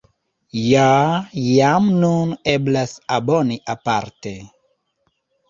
Ja jam nun eblas aboni aparte.